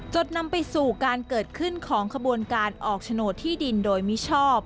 จนนำไปสู่การเกิดขึ้นของขบวนการออกโฉนดที่ดินโดยมิชอบ